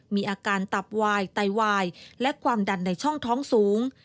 มีอาการตับวายไตวายและความดันในช่องท้องสูง